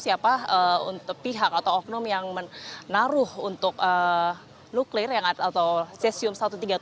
siapa pihak atau oknum yang menaruh untuk nuklir atau cesium satu ratus tiga puluh tujuh